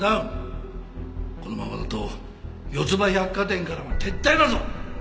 このままだと四つ葉百貨店からも撤退だぞ！